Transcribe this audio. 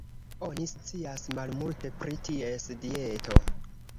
Oni scias malmulte pri ties dieto.